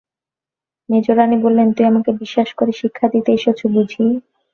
মেজোরানী বললেন, তাই আমাকে বিশ্বাস করে শিক্ষা দিতে এসেছ বুঝি?